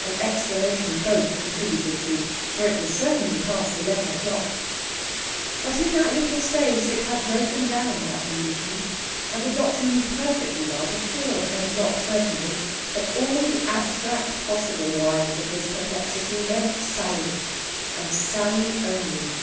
an exclamation both contributed to. For it was certainly past eleven o'clock. But in that little space it had broken down, that delusion; and the doctor knew perfectly well, before ten o'clock, certainly, that all the abstract possible wives of his perplexity meant Sally, and Sally only.